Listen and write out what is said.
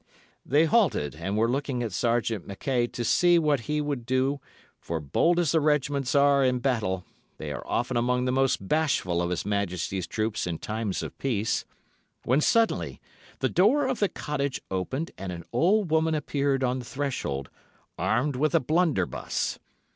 They halted, and were looking at Sergeant Mackay to see what he would do—for bold as the O——'s are in battle, they are often among the most bashful of His Majesty's troops in time of peace—when suddenly the door of the cottage opened and an old woman appeared on the threshold, armed with a blunderbuss.